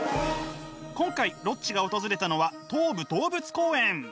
今回ロッチが訪れたのは東武動物公園。